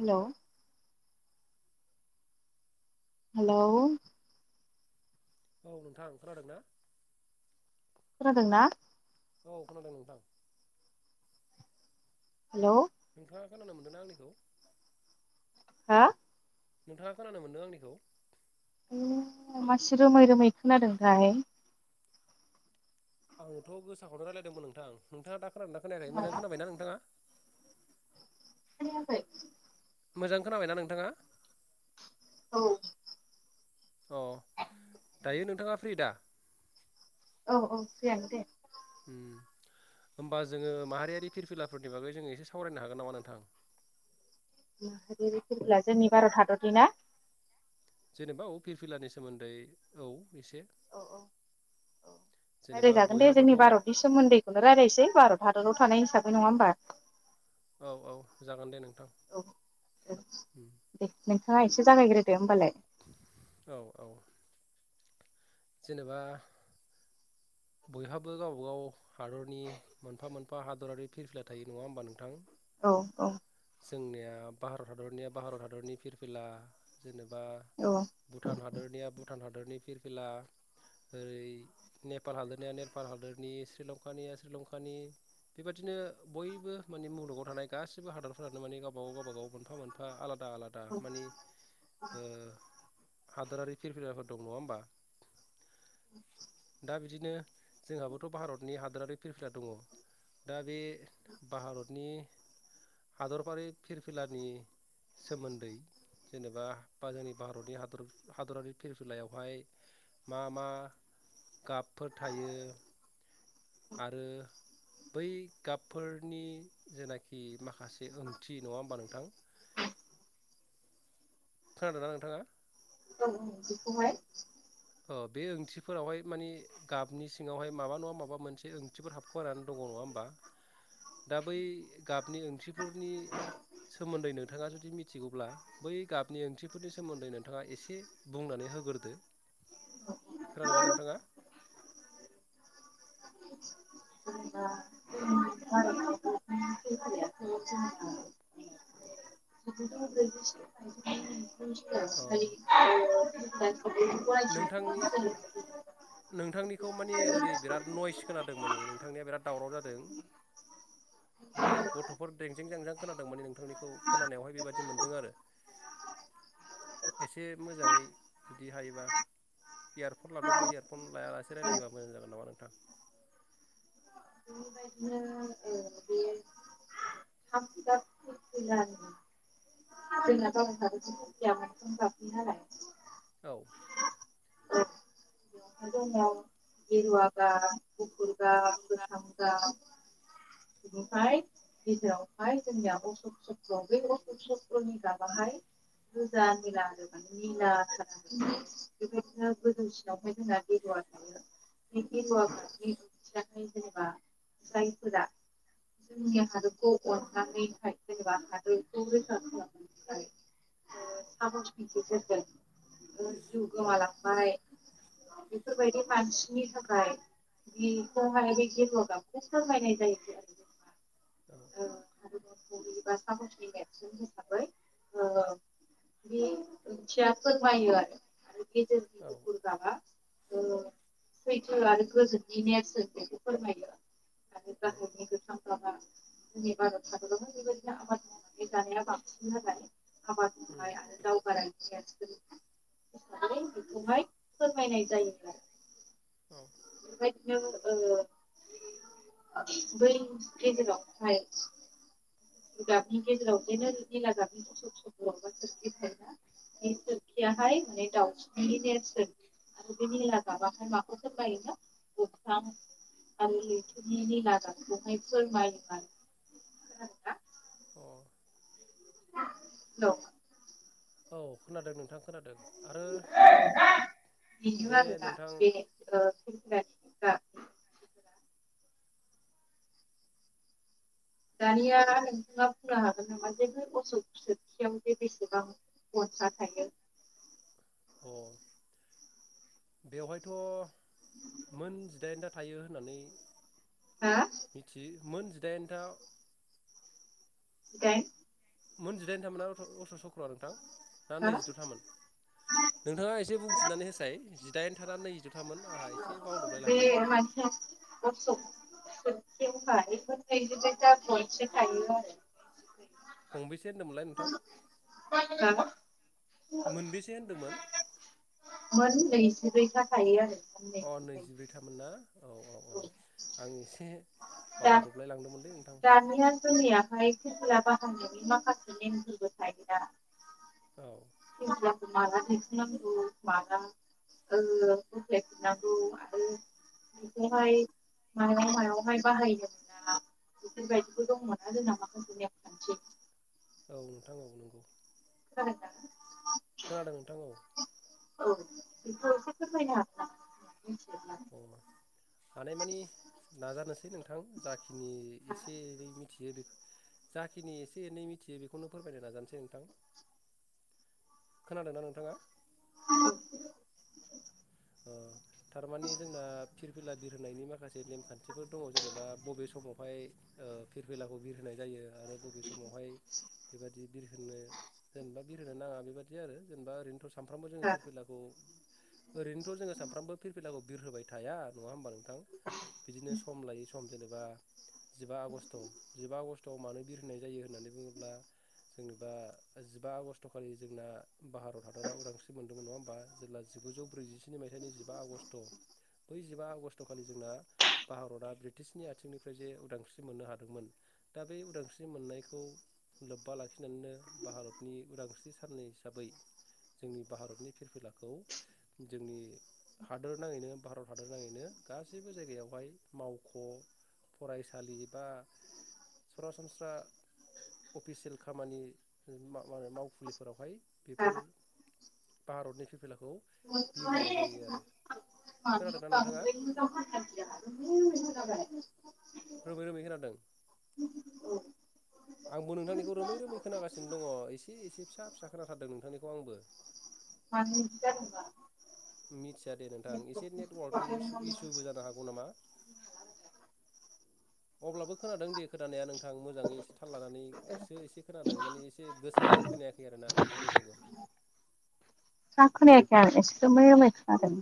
Hello. Hello. औ नोंथाङा खोनादों ना? खोनादोंना? औ खोनादों नोंथां। हेलौ। नोंथाङा खोनानो मोन्दोंना आंनिखौ। हा नोंथाङा खोनानो मोनदों आंनिखौ। उ मासे रोमै रोमै खोनादोंथाय। आङोथ' गोसाखौनो रायलायदोंमोन नोंथां नोंथाङा दा खोनादोंना खोनायाखै मोजां खोनाबायना नोंथाङा? खोनायाखै मोजां खोनाबायना नोंथाङा? औ। अ' दायो नोंथाङा फ्रि दा? औ औ फ्रि आनो दे। उम होमबा जोङो माहारियारि फिरफिलाफोरनि बागै जोङ एसे सावरायनो हागोन नामा नोंथां? माहारियारि फिरफिला जोंनि भारत हादर निना? जेनेबा औ फिरफिलानि सोमोन्दै औ। एसे औ औ औ जेनेबा रायलायजागोन दे जोंनि बयहाबोथ' भारतनि सोमोन्दैखौनो रायज्लायनोसै भारत हादराव थानाय हिसाबै नङा होमबा। औ औ जागोन दे नोंथां। औ नोंथाडा एसे जागायग्रोदो होमबालाय। औ औ। जेनेबा। बयहाबो गावबाागाव हादरनि मोनफा मोनफा हादरारि फिरफिला थायो नङा होमबा नोंथां। औ औ। जोंनिया भारत हादरनिया भारत हादरनि फिरफिला जेनेबा बा औ भुटान हादरनिया भुटान हादर भारतनि फिरफिला ओरै ने नेपाल हादोरनिया नेपाल हादरोरनि श्रिलंकानिया श्रिलंकानि बेबादिनो बयबो माने मुलुगाव थानाय गासिबो हादरफोरानो माने गावबा गाव गावबाागाव मोनफा मोनफा आलादा आलादा मानि ओ हादोरारि फिरफिलाफोर दं नङा होमबा? दा बिदिनो जोंहाबोथ' भारतनि हादरारि फिरफिला दङ दा बे भारतनि हादरबारि फिरफिलानि सोमोन्दै जेनेबा बा जोंनि भारतनि हादर हादरारि फिरफिलायावहाय मा मा गाबफोर थायो? आरो बै गाबफोरनि जेनाखि माखासे ओंथि नङा होमबा नोंथां? खोनादोंना नोंथाङा? औ बेखहाय अ बे ओंथिफोरावहाय मानि गाबनि सिङावहाय माबा नङा माबा मोनसे ओंथिफोर हाबख वानानै दङ नङा होमबा दा बै गाबनि ओंथिफोरनि सोमोन्दै नोंथाङा जुदि मिथिगौब्ला बै गाबनि ओंख्रिफोरनि सोमोन्दै नोंथाङा एसे बुंनानै होग्रोदो। खोनादोंना नोंथाङा? [unintelligible] [unintelligible] [unintelligible] [inaudible] नोंथनिखो नोंथांनिखौ मानि ओरै बिराद नयस खोनादों माने नोंथांनिया बिराद दावराव जादों। माने गथफोर रेंजें जेंजां खोनादों माने नोंथांनिखौ खोनानायावहाय बेबायादि मोन्दों आरो एसे मोजाङै जुदि हायोबा इयारफन लादोंबा इयारफन लायालासे रायलायोबा मोजां जागोन नामा नोंथां? [inaudible] जों [unintelligible] औ [unintelligible] खुंगा अ दा गेजेरावहाय जोंनिया अशक चक्र बै अशक चक्रनि गाबाहाय गोजा निला आरो मान निला खालाम बेबायदिनो गोजौसिनावहाय जोंना गगवा थायो। बे गेरुवा उम गाबनि जेनेबा जायफोरा जोंनि आव आरो अ [unintelligible] जिउ औ गोमालांबाय बेफोरबायदि मानसिनि थाखाय बेहायहाखौ फोरमायनाय जायोख आरो। औ [unintelligible] हिसाबै बे ओंथिया फोरमायो आरो। गेजेरनि औ गुफुर गाबा सैथो आरो गोजोननि नेरसोन बेखौ फोरमायो आरो औ गाहतनि गोथां गाबा जोंनि भारत बेबायदिनो आबाद मावनानै जानाया बांसिन आरो उम आबादखौहाय आरो दावगा [inaudible] बेखौहाय फोरमायनाय जायो आरो औ नो ओ बै गेजेराव। [inaudible] [unintelligible] अ। [inaudible] औ खोनादों नोंथां। खोनादों आरो [unintelligible] बेनो बे आरोना नोंथां बे ओ [inaudible] दानिया नोंथाङा बुंनो हागोन नामा जे बे असख सोरखियाव जे बेसेबां गनसा थायो। अ बेवहायथ' मोन जिदाइन था थायो होननानै मिथि। मोन जिदाइनथा। जिदायेन। मोनजिदाइन थामोना अस्क सक्र'आ नोंथां। ना नैजिद'थामोन नोंथाङा एसे बुंफिननानै होसाय जि दाइन था ना नै [inaudible] [unintelligible] गं बैसे होन्दों मोनलाय नोंथां मोनबेसे होन्दोंमोन। गुबै जाखायोआरो अ नैजिब्रैथामोन ना औ औ। अ आंनि बावदबलाय लांदोंमोनलै दानिया जोंनिहाय। फिरफिला बाहायनायनि बाहायनायनि माखासे नेम फोरबो थायोना। औ। [unintelligible] औ नोंथां नंगौ नंगौ। [inaudible] खोनादों नोंथां औ। [unintelligible] अ हानाय मानि नाजानोसै। नोंथां जाखिनि एसे एनै मिथियो बे जाखिनि एसे एनै मिथियो बेखौनो फोरमायनो नाजानोसै नोंथां खोनादोंना नोंथाङा। ओ थारमानि जोंना फिरफिला बिरहोनायनि माखासे नेमखान्थिफोर दङ जेनेबा बबे समावहाय ओ फिरफिलाखौ बिरहोनाय जायो। आरो बबे समावहाय बेबा बिरहोनो जेनेबा बिरहोनो नाङा बेबादि आरो जेनेबा ओैरैनोथ' सानफ्रामबो जोङो फिरफिलाखौ ओरैनोथ' जो सानफ्रामबो फिरफिलाखौ बिर होबाय थाया नङा होमबा नों थां बिदिनो सम लायो सम जेनेबा जिबा आगष्ट' जिबा आगष्टआव मानो बिर होनाय जायो होननानै बुङोब्ला जेनेबा जिबा आगष्टखालि जोंना भारत हादरा उदांस्रि मोनदोंमोन नङा होमबा जेब्ला जिगुजौ ब्रैजिस्नि मायथाइनि जिबा आगष्ट' बै जिबा आगष्टखालि जोंना भारतआ ब्रिटिशनि आथिंनिफ्राय जे उदांस्रि मोननो हादोंमोन दा बेै उदांस्रि मोननायखौ लोब्बा लाखिनानैनो भारतनि उदांस्रि साननै हिसाबै जोंनि भारतनि फिरफिलाखौ जोंनि हादोर नाङैनो भारत हादोर नाङैनो गासैबो जायगायावहाय मावख' फरायसालि बा सरासनस्रा अफिसियेल खामानि मा मावखुलिफोरावहाय बेफोर भारतनि फिरफिलाखौ बिरहोनाय जायो आरो खोनादोंना नोंथाङा [unintelligible] [unintelligible] रोमै रोमै खोनादों। आंबो नोंथांनिखौ रोमै रोमै खोनागासिनो दङ एसे एसे फिसा फिसा खोनाथारदों नोंथांनिखौ आंबो। [unintelligible] मिथिया दे नोंथां एसे नेटवार्क निु इसुबो जानो हागौ नामा। अब्लाबो खोनादों दे खोनाया नोंथां मोजाङै एसे थाल लानानैसो एसे खोनादों माने एसे गोसायै खोनायाखै आरोना नोंथांनिखौबो। जाखोनायाखै आं एसे रोमै रोमै खोनादों।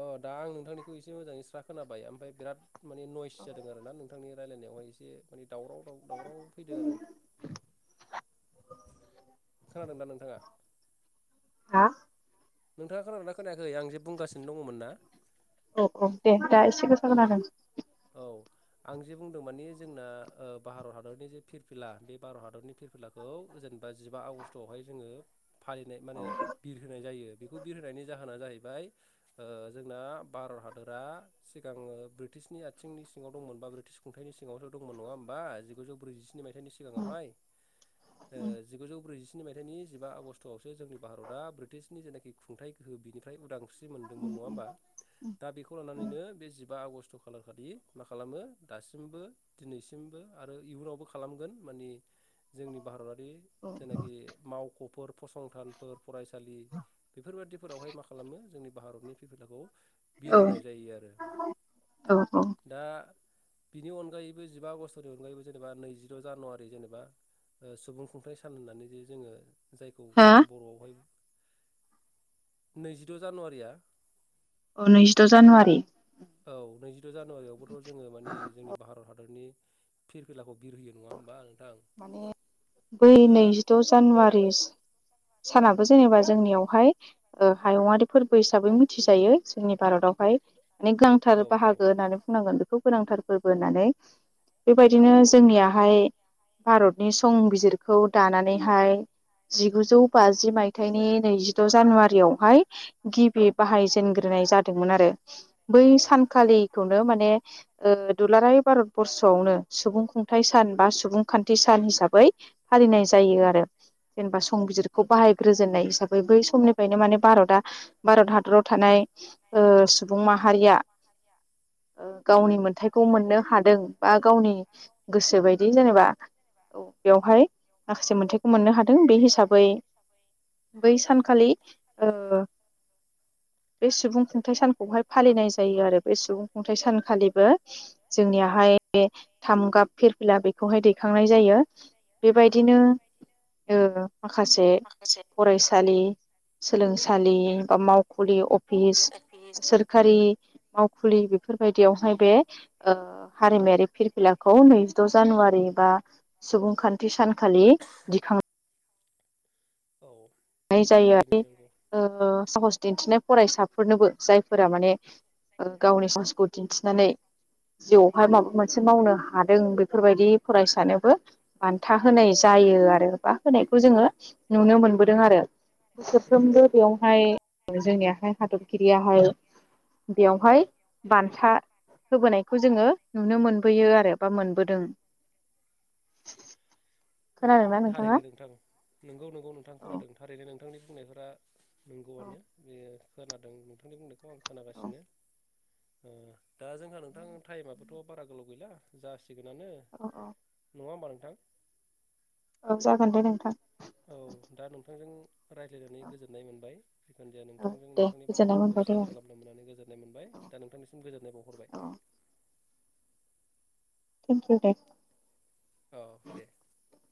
अ दा आं नोंथांनिखौ एसे मोजाङै स्रा खोनाबाय ओमफ्राय बिराद माने नयस जादों आरो ना नोंथांनि रायलायनायावहाय एसे माने दावराव दावराव फैदों आरो खोनादों दा नोंथाङा। हा नोंथाङा खोनादोंना खोनायाखै आं जे बुंगासिनो दङमोन ना। अके। दा एसे गोसाखोनादों। औ आं जे बुंदों माने जोंना भारत हादरनि जे फिरफिला बे भारत हादरनि फिरफिलाखौ जेनेबा जिबा आगष्टआवहाय जोङो फालिनाय माने बिरहोनाय जायो बेखौ बिरहोनायनि जाहोना जाहैबाय ओ जोंना भारत हादोरा सिगाङो ब्रिटिशनि आथिंनि सिङाव दंमोन बा ब्रिटिस खुंथायाइनि सिङावो दंमोन नङा होमबा जिगुजौ ब्रैजिस्नि मायथाइनि सिगाङावहाय ओ जिगुजौ ब्रैजिस्नि मायथाइनि जिबा आगष्टआवसो जोंनि भारतआ ब्रिटिसनि जेनाखि खुंथायाइ गोहो बिनिफ्राय उदांस्रि मोनदोंमोन नङा होमबा दा बेखौ लानानैनो बे जिबा आगष्ट खालार खालि मा खालामो दासिमबो दिनैसिमबो आरो इयुनावबो खालामगोन मानि जोंनि भारतारि औ जेनाखि मावख'फोर फसंथानफोर फरायसालि बेफोरबादिफोरावहाय मा खालामो जोंनि भारतनि फिरफिलाखौ बिर औ होनाय जायो आरो। औ औ दा बिनि अनगायैबो जिबा आगस्तनि अनगायैबो जेनेबा नैजिद' जानुवारि जेनेबा सुबुं खुंथाइ सान होननानै जे जोङो जायखौ हा बर'आवहाय नैजिद' जानुवारिया औ नैजिद' जानुवारि। औ नैजिद' जानुवारियावबोथ' जोङो माने जोंनि भारत हादरनि फिरफिलाखौ बिर होयो नङा होमबा। नोंथां माने बै दा नैजिद' जानुवारि सानाबो जेनेबा जोंनियावहाय ओ हायुयारि फोरबो हिसाबै मिथिजायो जोंनि भारतआवहाय। माने औ गोनांथार औ बाहागो होननानै बुंनांगोन बेखौ। फोनांथार फोरबो होननानै। उम बेबायदिनो जोंनिया हाय भारतनि संबिजिरखौ दानानैहाय जिगुजौ बाजि मायथाइनि नैजिद' जानुवारियावहाय गिबि बाहायजेनग्रोनाय जादोंमोन आरो। बै औ सानखालिखौनो माने बे ओ दुलाराय भारत बरर्सआवनो सुबुं खुंथाय सान बा सुबुं खान्थि सान हिसाबै फालिनाय जायो आरो जेनेबा संबिजिरखौ बाहायग्रोजेननाय हिसाबै बै समनिफ्रायनो माने भारता भारत हाद दराव थानाय सुबुं माहारिया गावनि मोनथथायखौ मोननो हादों बा गावनि गोसो बायदि जेनेबा औ बेवहाय माखासे मोनथायखौ मोननो हादों बे हिसाबै बै सानखालि ओ बे सुबुं खुंथाइ सान खौहाय फालिनाय जायो आरो बे सुबुं खुंथाइ सानखालिबो जोंनियाहाय बे थाम गाब फिरफिला बेखौहाय दै नाय जायो औ बेबायदिनो ओ माखासे फरायसालि सोलोंसालि बा मावखुलि अ अफिस सोरखारि मावखुलि बेफोरबायदियावहाय बे ओ हारिमायारि फिरफिलाखौ नैजिद' जानुवारि बा सुबुंखान्थि सानखालि दिखां औ नाय जायो थारैनो नंगौ [inaudible] ओ साहस दिन्थिनाय फरायसाफोरनोबो जायफोरा माने गावनि साहसखौ दिन्थिनानै जिउआवहाय माबा मोनसे मावनो हादों बेफोरबायदि फरायसानोबो बान्था होनाय जायो आरो बा होनायखौ जोङो नुनो मोन दों आरो उम बोसोरफ्रोमबो बेयावहाय जोंनियाहाय हादरगिरियाहाय बेयावहाय बान्था होबोनायखौ जोङो नुनो मोनबोयो आरो बा मोनबोदों। अ खोनादोंना नोंथाङा थारैदो नोंथां नोंगौ नंगौ नोंथां। औ खोनादों थारैनो नोंथांनि बुंनायफोरा औ नंगौआनो बे खोनादों नोंथांनि बुंनायखौ आं औ खोनागासिनो दा जोंहा नोंथां टाइमाबोथ' बारा गोलाव गैला जासि गोनानो औ नङा होनबा नों थां औ जागोन दे नोंथां औ दा नोंथांजों रायज्लायनानै गोजोननाय मोनबाय। जिखुनुजाया औ नोंथांजों दे नोंथांनि गोजोननाय बाथ्राफोरखौ मोनबाय दे सेयार खालामनो मोननानै गोजोननाय मोनबाय दा नोंथांनिसिम गोजोननाय बावहरबाय। औ थेंक इउ दे। औ दे [inaudible]